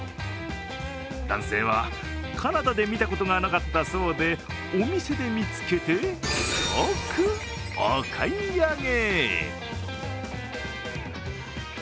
男性は、カナダで見たことがなかったそうで、お店で見つけて即お買い上げ。